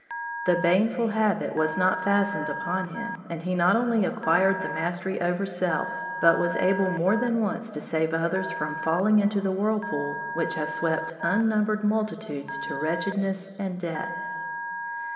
The baneful habit was not fastened upon him, and he not only acquired the mastery over self, but was able more than once to save others from falling into the whirlpool which has swept unnumbered multitudes to wretchedness and death.